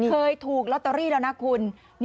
เคยถูกลอตเตอรี่แล้วนะคุณ